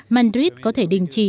madrid có thể đình chỉ